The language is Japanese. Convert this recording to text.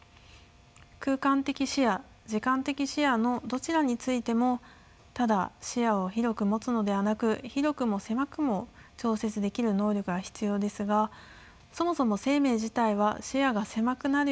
空間的視野時間的視野のどちらについてもただ視野を広く持つのではなく広くも狭くも調節できる能力が必要ですがそもそも生命自体は視野が狭くなるようにできています。